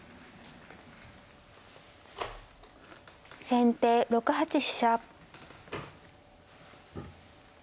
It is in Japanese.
先手６八飛車。